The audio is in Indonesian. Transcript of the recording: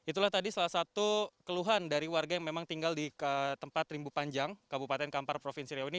itulah tadi salah satu keluhan dari warga yang memang tinggal di tempat rimbu panjang kabupaten kampar provinsi riau ini